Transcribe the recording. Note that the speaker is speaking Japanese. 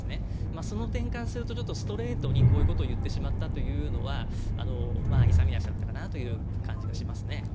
その点からするとストレートにこういうことを言ってしまったというのは勇み足だったかなという感じがしますね。